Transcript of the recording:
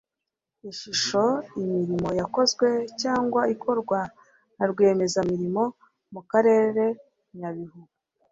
ishusho imirimo yakozwe cyangwa ikorwa na rwiyemezamirimo mu karere nyabihu